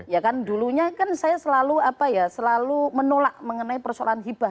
ya kan dulunya kan saya selalu menolak mengenai persoalan ibah